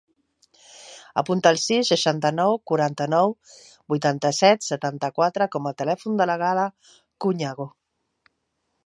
Apunta el sis, seixanta-nou, quaranta-nou, vuitanta-set, setanta-quatre com a telèfon de la Gala Couñago.